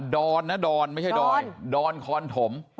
อนนะดอนไม่ใช่ดอยดอนคอนถม